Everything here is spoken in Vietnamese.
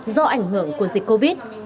do ảnh hưởng của dịch covid